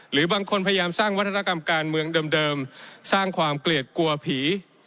หรือบางคนพยายามสร้างวัฒนกรรมการเมืองเดิมสร้างความเกลียดกลัวผี